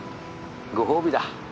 ご褒美だ。